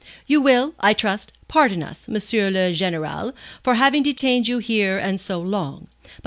"You will, I trust, pardon us, M. le Général, for having detained you here and so long.